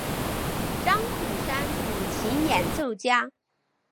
张孔山古琴演奏家。